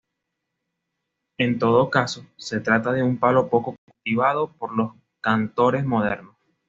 En todo caso, se trata de un palo poco cultivado por los cantaores modernos.